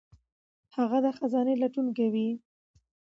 هغه د خزانې لټون کوي.